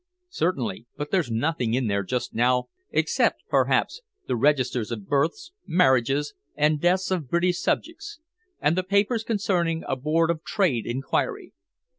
"Certainly. But there's nothing in there just now except, perhaps, the registers of births, marriages and deaths of British subjects, and the papers concerning a Board of Trade inquiry.